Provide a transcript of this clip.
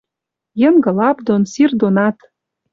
Йынгы лап дон, сир донат.